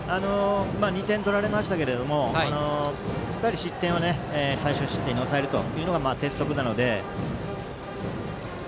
２点取られましたけど失点は最少失点に抑えるというのが鉄則なので。